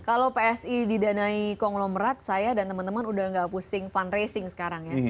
kalau psi didanai konglomerat saya dan teman teman udah gak pusing fundraising sekarang ya